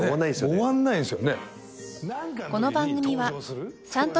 終わんないんすよね。